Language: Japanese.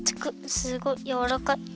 すごいやわらかい。